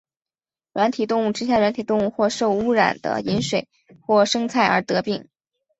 软体动物吃下软体动物或受污染的饮水或生菜而得病。